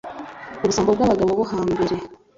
Ubusambo bw’abagabo bo hambere,